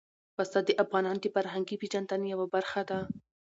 پسه د افغانانو د فرهنګي پیژندنې یوه برخه ده.